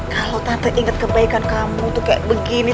kalo tante inget kebaikan kamu tuh kayak begini